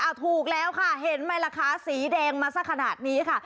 เอาถูกแล้วค่ะเห็นไหมล่ะคะสีแดงมาสักขนาดนี้ค่ะ